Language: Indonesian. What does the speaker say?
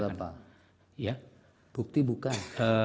bukti yang berapa bukti bukan